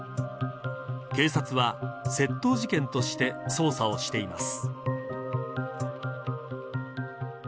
警察は窃盗事件として捜査をしています。